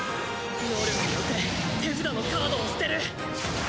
能力によって手札のカードを捨てる。